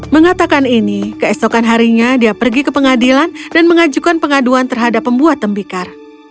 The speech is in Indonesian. mengatakan ini keesokan harinya dia pergi ke pengadilan dan mengajukan pengaduan terhadap pembuat tembikar